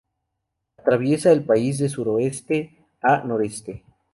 Atraviesa el país de suroeste a noreste.